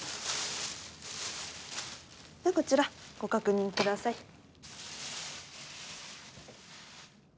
こちらご確認ください。